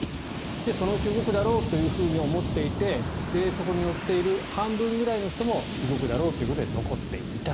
そのうち動くだろうと思っていてそこに乗っている半分ぐらいの人も動くだろうということで残っていた。